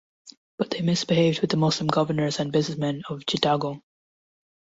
But they misbehaved with the Muslim governors and businessmen of Chittagong.